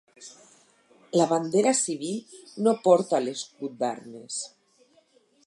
La bandera civil no porta l'escut d'armes.